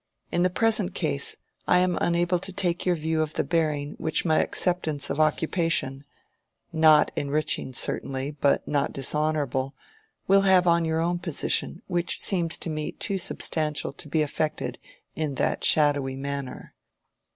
In the present case I am unable to take your view of the bearing which my acceptance of occupation—not enriching certainly, but not dishonorable—will have on your own position which seems to me too substantial to be affected in that shadowy manner.